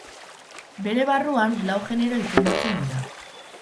Bere barruan lau genero izendatzen dira.